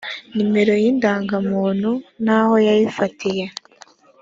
nomero y indangamuntu n aho yayifatiye